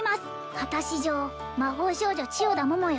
「果たし状魔法少女千代田桃よ」